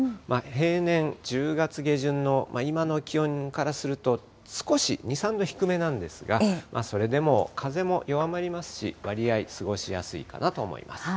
平年１０月下旬の今の気温からすると、少し２、３度低めなんですが、それでも風も弱まりますし、わりあい過ごしやすいかなと思います。